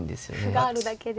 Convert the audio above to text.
歩があるだけで。